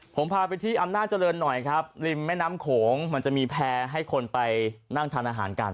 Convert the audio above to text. ผมพาไปที่อำนาจเจริญหน่อยครับริมแม่น้ำโขงมันจะมีแพร่ให้คนไปนั่งทานอาหารกัน